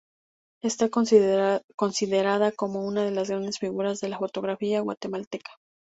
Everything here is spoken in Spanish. Está considerada como "una de las grandes figuras de la fotografía guatemalteca".